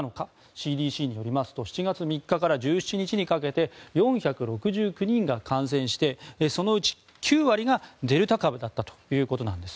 ＣＤＣによりますと７月３日から１７日にかけて４６９人が感染してそのうち９割がデルタ株だったということです。